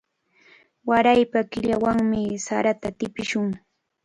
Waraypa killawanmi sarata tipishun.